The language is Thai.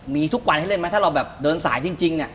มีทุกวันให้เล่นไหมถ้าเราแบบเดินสายจริงเนี่ย